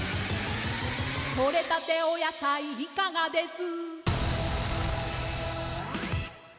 「とれたてお野菜いかがです」